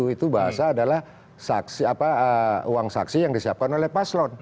itu bahasa adalah uang saksi yang disiapkan oleh paslon